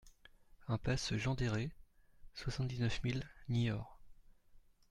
Impasse Jean Dere, soixante-dix-neuf mille Niort